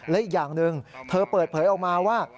และอีกอย่างหนึ่งเธอเปิดเผยออกมาว่า